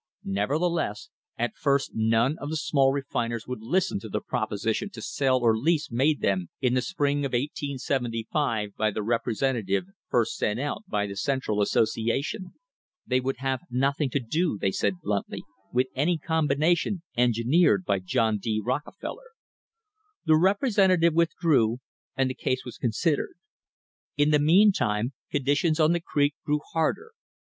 Nevertheless at first none of the small refiners would listen to the proposition to sell or lease made them in the spring of 1875 by the representative first sent out by the Central Association. They would have nothing to do, they said bluntly, with any combination engineered by John D. Rockefeller. The representative withdrew and the case was considered. In the mean time conditions on the creek grew harder.